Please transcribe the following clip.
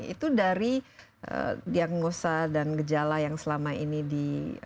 itu dari diagnosa dan gejala yang selama ini di